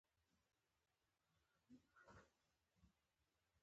د ملګرو سره وخت تېرول خوند راکوي.